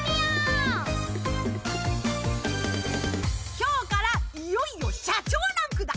きょうからいよいよ社長ランクだ。